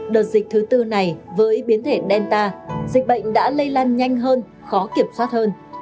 đợt dịch thứ tư này với biến thể delta dịch bệnh đã lây lan nhanh hơn khó kiểm soát hơn